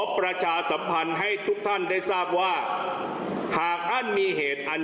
ประชาสัมพันธ์ให้ทุกท่านได้ทราบว่าหากท่านมีเหตุอัน